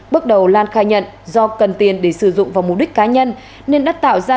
bước đầu lan khai nhận do cần tiền để sử dụng vào mục đích cá nhân nên đã tạo ra